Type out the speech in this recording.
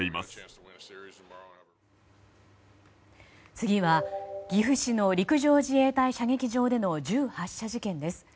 次は、岐阜市の陸上自衛隊射撃場での銃発射事件です。